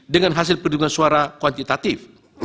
dengan hasil perhitungan suara kuantitatif